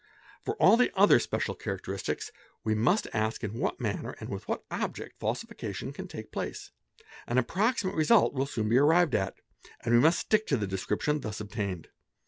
|| For all the other special characteristics, we must ask in what manner and with what object, falsification can take place ; an approximate result will soon be arrived at, and we must stick to the description thus obtained.